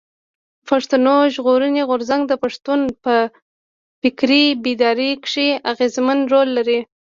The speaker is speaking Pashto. پښتون ژغورني غورځنګ د پښتنو په فکري بيداري کښي اغېزمن رول لري.